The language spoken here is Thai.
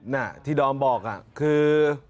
น่ะที่ดอมบอกคือ